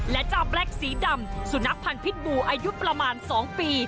และเจ้าแบล็กสีดำสุนัขพันธ์พิษบูอายุประมาณ๒ปี